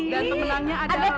dan pemenangnya adalah